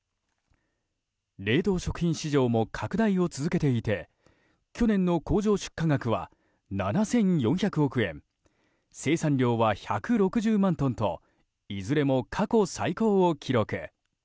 冷凍食品市場も拡大を続けていて去年の工場出荷額は７４００億円生産量は１６０万トンといずれも過去最高を記録。